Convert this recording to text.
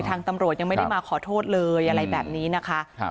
ตำรวจยังไม่ได้มาขอโทษเลยอะไรแบบนี้นะคะ